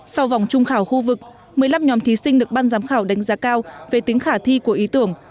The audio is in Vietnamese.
sau vòng trung khảo khu vực một mươi năm nhóm thí sinh được ban giám khảo đánh giá cao về tính khả thi của ý tưởng